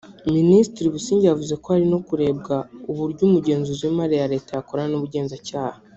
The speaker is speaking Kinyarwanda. Minisitiri Busingye yavuze ko hari no kurebwa uburyo Umugenzuzi w’Imari ya leta yakorana n’ubugenzacyaha